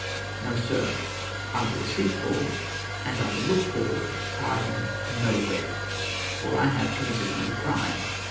No, sir; I will seek for, and I look for, pardon nowhere, for I have committed no crime.